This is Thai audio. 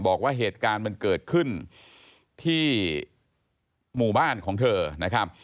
บอกว่าเหตุการณ์มันเกิดขึ้นที่หมู่บ้านของเธอนะครับ